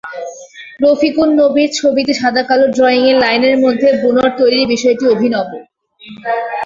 রফিকুন নবীর ছবিতে সাদাকালো ড্রয়িংয়ে লাইনের মধ্যে বুনট তৈরির বিষয়টি অভিনব।